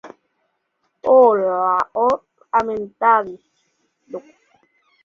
Ampliamente cultivada como planta ornamental.